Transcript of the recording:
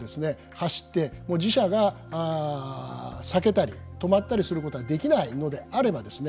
走って自車が避けたり止まったりすることができないのであればですね